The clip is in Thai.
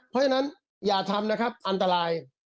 เพราะฉะนั้นอย่าทำนะครับอันตราย